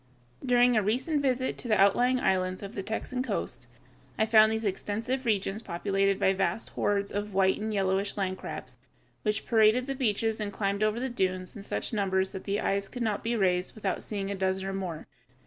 During a recent visit to the outlying islands of the Texan coast, I found these extensive regions populated by vast hordes of white or yellowish land crabs, which paraded the beaches and climbed over the dunes in such numbers that the eyes could not be raised without seeing a dozen or more.